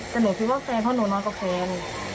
แต่หนูคิดว่าแฟนเพราะหนูนอนกับแฟน